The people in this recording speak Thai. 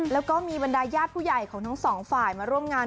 แล้วก็มีบรรดาญาติผู้ใหญ่ของทั้งสองฝ่ายมาร่วมงาน